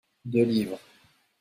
Deux livres.